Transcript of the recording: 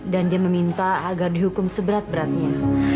dan dia meminta agar dihukum seberat beratnya